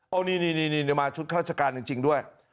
เอานี่มาชุดข้าราชการจริงด้วย